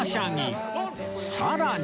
さらに